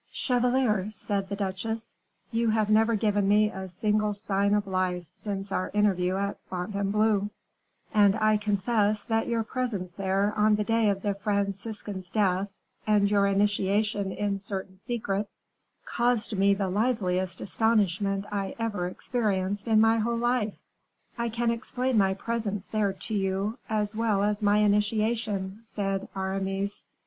"Chevalier," said the duchesse, "you have never given me a single sign of life since our interview at Fontainebleau, and I confess that your presence there on the day of the Franciscan's death, and your initiation in certain secrets, caused me the liveliest astonishment I ever experienced in my whole life." "I can explain my presence there to you, as well as my initiation," said Aramis.